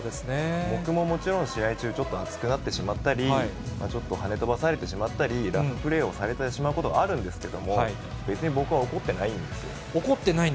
僕ももちろん試合中、ちょっと熱くなってしまったり、ちょっとはね飛ばされてしまったり、ラフプレーをされてしまうこともあるんですけども、別に僕は怒ってないんですよ。